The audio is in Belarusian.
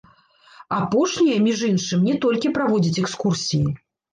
Апошняя, між іншым, не толькі праводзіць экскурсіі.